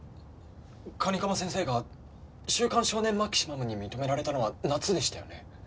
蟹釜先生が『週間少年マキシマム』に認められたのは夏でしたよね？